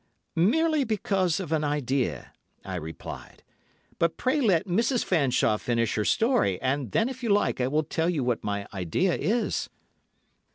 "Merely because of an idea," I replied; "but pray let Mrs. Fanshawe finish her story, and then, if you like, I will tell you what my idea is."